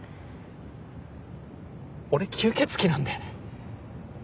俺吸血鬼なんだよね。